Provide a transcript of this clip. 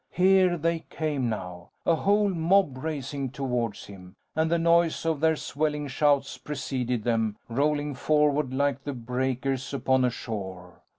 Here they came now! A whole mob racing towards him, and the noise of their swelling shouts preceded them, rolling forward like the breakers upon a shore.